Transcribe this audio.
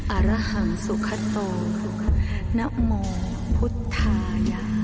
อารหังสุขโตนับหมอพุทธายา